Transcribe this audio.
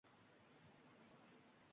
In Brain — bu haqiqatan ham noyob platforma